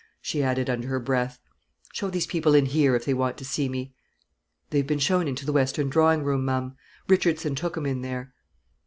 she added, under her breath. "Show these people in here, if they want to see me." "They've been shown into the western drawing room, ma'am; Richardson took 'em in there."